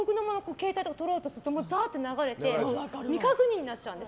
携帯とか取ろうとするとザーって流れて未確認になっちゃうんです。